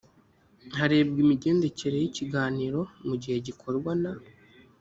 harebwa imigendekere y ikiganiro mu gihe gikorwa na